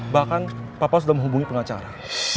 bahkan papa sudah menghubungi pengacara